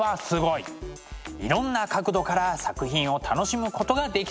いろんな角度から作品を楽しむことができそうです。